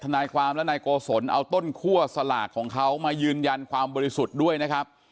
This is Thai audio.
นายความและนายโกศลเอาต้นคั่วสลากของเขามายืนยันความบริสุทธิ์ด้วยนะครับ